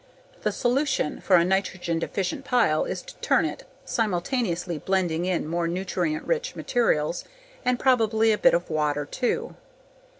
The solution for a nitrogen deficient pile is to turn it, simultaneously blending in more nutrient rich materials and probably a bit of water too.